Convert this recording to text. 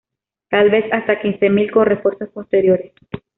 Tal vez hasta quince mil con refuerzos posteriores.